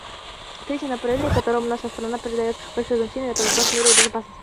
Третье направление, которому наша страна придает большое значение, — это вопрос мира и безопасности.